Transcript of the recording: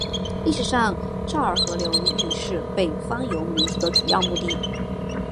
历史上洮儿河流域是北方游牧民族的主要牧地。